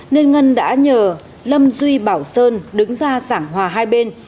nên ngân đã nhờ lâm duy bảo sơn đứng ra giảng hòa hai bên